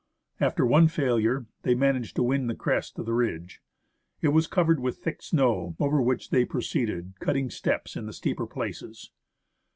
After one failure, they managed to win the crest of the ridge. It was covered with thick snow, over which they proceeded, cutting steps in the steeper places.